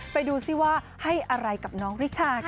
ไปดูซิว่าให้อะไรกับน้องริชาค่ะ